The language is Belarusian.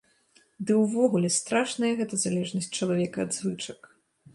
Ды ўвогуле, страшная гэта залежнасць чалавека ад звычак.